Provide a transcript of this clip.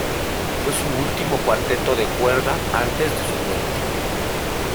Fue su último cuarteto de cuerda antes de su muerte.